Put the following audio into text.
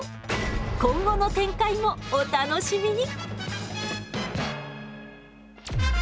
今後の展開もお楽しみに！